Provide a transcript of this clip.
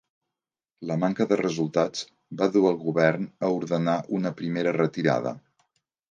La manca de resultats va dur el govern a ordenar una primera retirada.